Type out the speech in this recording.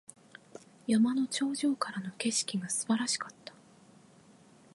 山の頂上からの景色が素晴らしかった。